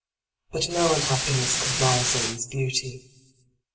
But no unhappiness could mar Zoe's beauty.